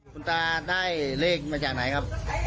คุณตาได้เลขมาจากไหนครับ